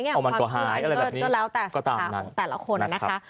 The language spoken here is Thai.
ความผิดฐานก็แล้วแต่สุขภาพของแต่ละคน